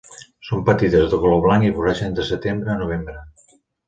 Són petites, de color blanc i floreixen de Setembre a Novembre.